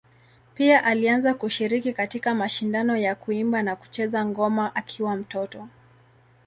Pia alianza kushiriki katika mashindano ya kuimba na kucheza ngoma akiwa mtoto.